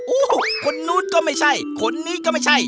คนนู้นก็ไม่ใช่คนนี้ก็ไม่ใช่